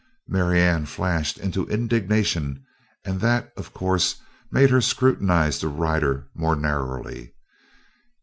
Marianne flashed into indignation and that, of course, made her scrutinize the rider more narrowly.